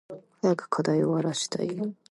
早く課題終わらしたい。